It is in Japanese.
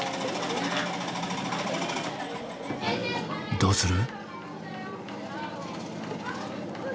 どうする？